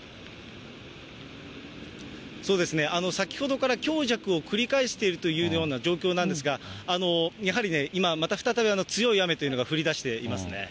そうですね、先ほどから強弱を繰り返しているというような状況なんですが、やはりね、今、また再び強い雨が降りだしていますね。